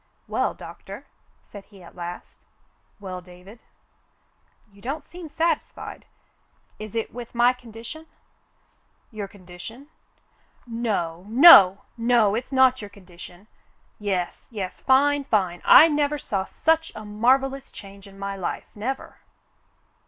"Well, Doctor," he said at last. "Well, David." "You don't seem satisfied. Is it with my condition?'* "Your condition .f^ No, no, no! It's not your con dition. Yes, yes — fine, fine. I never saw such a mar vellous change in my life, never